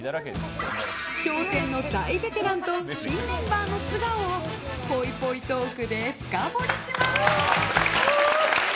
「笑点」の大ベテランと新メンバーの素顔をぽいぽいトークで深掘りします！